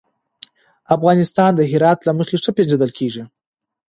افغانستان د هرات له مخې ښه پېژندل کېږي.